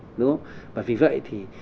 đúng không và vì vậy thì